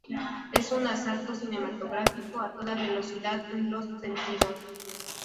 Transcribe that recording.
Es un asalto cinematográfico a toda velocidad en los sentidos.